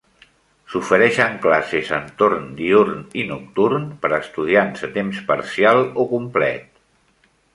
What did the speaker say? S'ofereixen classes en torn diürn i nocturn per a estudiants a temps parcial o complet.